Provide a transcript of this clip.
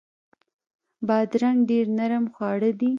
بادرنګ ډیر نرم خواړه دي.